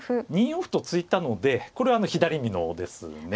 ２四歩と突いたのでこれは左美濃ですね。